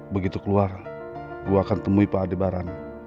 begitu keluar gue akan temui pak adebaran